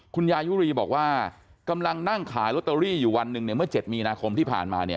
คุณยายุรีบอกว่ากำลังนั่งขายลอตเตอรี่อยู่วันหนึ่งเนี่ยเมื่อ๗มีนาคมที่ผ่านมาเนี่ย